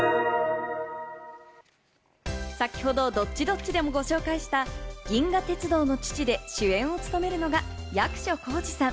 先ほどＤｏｔｔｉ‐Ｄｏｔｔｉでもご紹介した、『銀河鉄道の父』で主演を務めるのが役所広司さん。